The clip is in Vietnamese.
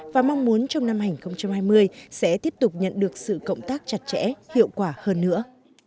và mong muốn trong năm hai nghìn hai mươi sẽ tiếp tục nhận được sự cộng tác chặt chẽ hiệu quả hơn nữa